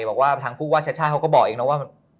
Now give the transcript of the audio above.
บอกว่าทางภูมิว่าชัดเขาก็บอกเองนะว่า